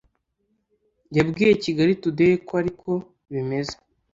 yabwiye Kigali Today ko ariko bimeze